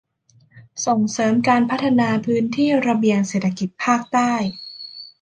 ส่งเสริมการพัฒนาพื้นที่ระเบียงเศรษฐกิจภาคใต้